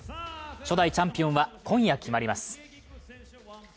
初代チャンピオンは今夜決まります。